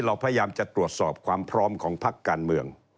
เราพยายามจะตรวจสอบความพร้อมของพักการเมือง